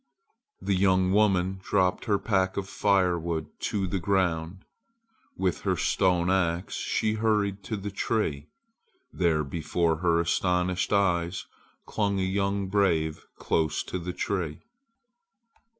The young woman dropped her pack of firewood to the ground. With her stone axe she hurried to the tree. There before her astonished eyes clung a young brave close to the tree.